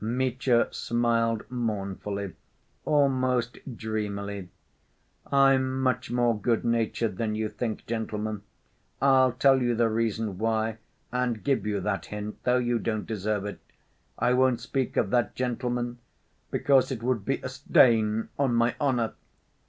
Mitya smiled mournfully, almost dreamily. "I'm much more good‐natured than you think, gentlemen. I'll tell you the reason why and give you that hint, though you don't deserve it. I won't speak of that, gentlemen, because it would be a stain on my honor.